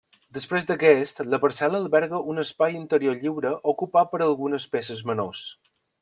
Després d'aquest, la parcel·la alberga un espai interior lliure ocupat per algunes peces menors.